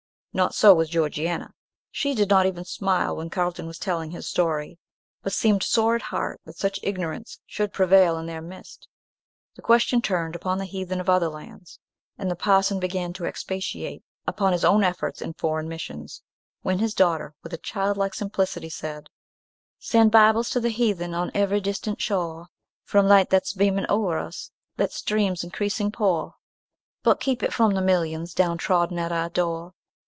Not so with Georgiana. She did not even smile when Carlton was telling his story, but seemed sore at heart that such ignorance should prevail in their midst. The question turned upon the heathen of other lands, and the parson began to expatiate upon his own efforts in foreign missions, when his daughter, with a child like simplicity, said, "Send Bibles to the heathen; On every distant shore, From light that's beaming o'er us, Let streams increasing pour But keep it from the millions Down trodden at our door.